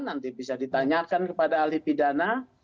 nanti bisa ditanyakan kepada ahli pidana